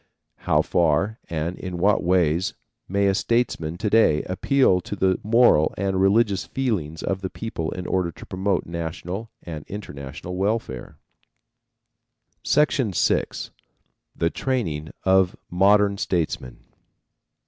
How far and in what ways may a statesman to day appeal to the moral and religious feelings of the people in order to promote national and international welfare? VI. THE TRAINING OF MODERN STATESMEN.